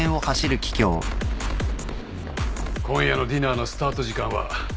今夜のディナーのスタート時間は１９時です。